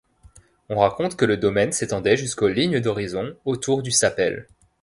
On raconte que le domaine s’étendait jusqu’aux lignes d’horizon autour du Sappel.